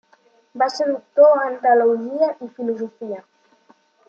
Va ser doctor en teologia i filosofia.